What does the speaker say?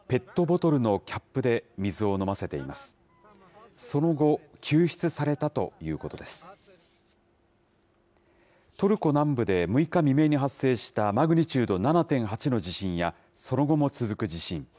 トルコ南部で６日未明に発生したマグニチュード７．８の地震や、その後も続く地震。